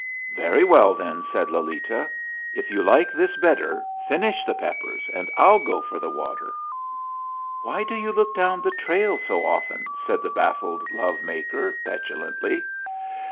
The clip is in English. "Very well, then," said Lolita. "If you like this better, finish the peppers, and I'll go for the water." "Why do you look down the trail so often?" said the baffled love maker, petulantly.